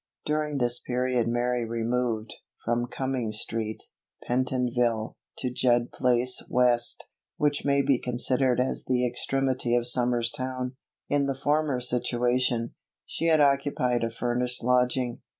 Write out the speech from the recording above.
During this period Mary removed, from Cumming street, Pentonville, to Judd place West, which may be considered as the extremity of Somers Town. In the former situation, she had occupied a furnished lodging.